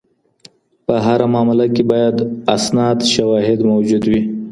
په هره معامله کي بايد اسناد، شواهد موجود وي.